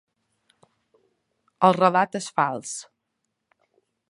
El relat és fals.